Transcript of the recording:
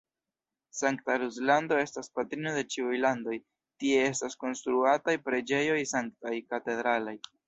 Sankta Ruslando estas patrino de ĉiuj landoj: tie estas konstruataj preĝejoj sanktaj, katedralaj.